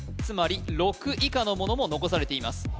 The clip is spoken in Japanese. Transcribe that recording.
つまり６以下のものも残されています